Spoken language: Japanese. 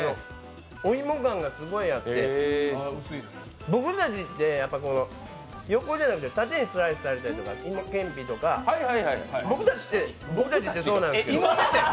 お芋感がすごくあって僕たちって横じゃなくて縦にスライスされた芋けんぴとか僕たちってそうなんですけど。